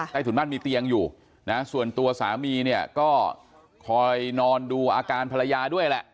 ถุนบ้านมีเตียงอยู่นะส่วนตัวสามีเนี่ยก็คอยนอนดูอาการภรรยาด้วยแหละ